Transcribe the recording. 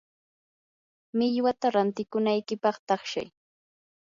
millwata rantikunaykipaq taqshay.